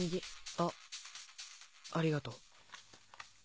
あありがとう。